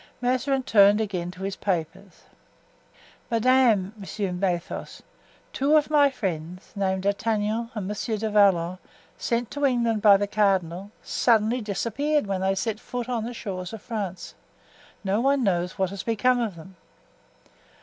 Mazarin turned again to his papers. "Madame," resumed Athos, "two of my friends, named D'Artagnan and Monsieur du Vallon, sent to England by the cardinal, suddenly disappeared when they set foot on the shores of France; no one knows what has become of them."